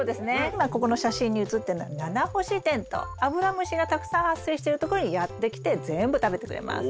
今ここの写真に写ってるのはアブラムシがたくさん発生してるところにやって来て全部食べてくれます。